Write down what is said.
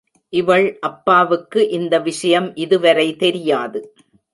இவள் அப்பாவுக்கு இந்த விஷயம் இதுவரை தெரியாது.